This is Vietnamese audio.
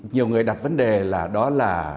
nhiều người đặt vấn đề là đó là